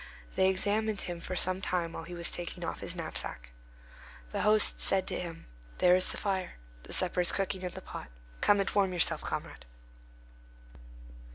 They examined him for some time while he was taking off his knapsack. The host said to him, "There is the fire. The supper is cooking in the pot. Come and warm yourself, comrade."